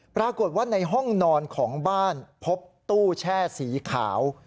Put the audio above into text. ปรากฏว่าในห้องนอนของบ้านพบตู้แช่สีขาว